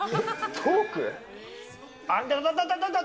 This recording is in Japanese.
トーク？